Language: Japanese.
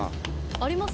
あります？